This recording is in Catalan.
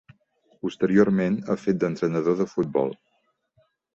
Posteriorment ha fet d'entrenador de futbol.